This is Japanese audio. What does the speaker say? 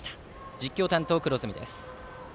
実況担当は黒住です。